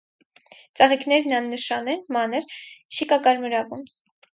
Ծաղիկներն աննշան են, մանր, շիկակարմրավուն։